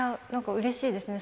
うれしいですね